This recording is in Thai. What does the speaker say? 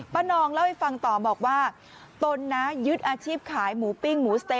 นองเล่าให้ฟังต่อบอกว่าตนนะยึดอาชีพขายหมูปิ้งหมูสเต๊